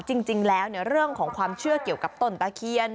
จริงแล้วเรื่องของความเชื่อเกี่ยวกับต้นตะเคียน